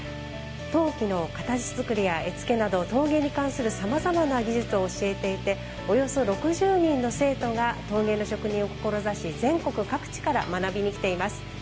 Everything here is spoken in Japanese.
陶器の形づくりや絵付けなど陶芸に関するさまざまな技術を教えていておよそ６０人の生徒が陶芸の職人を志し、全国各地から学びに来ています。